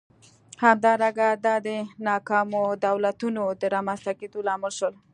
همدارنګه دا د ناکامو دولتونو د رامنځته کېدو لامل شول.